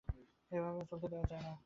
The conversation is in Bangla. এভাবে চলতে দেওয়া যায় না।